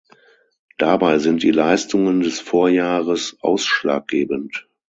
Dabei sind die Leistungen des Vorjahres ausschlaggebend.